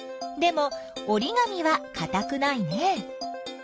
でもおりがみはかたくないね。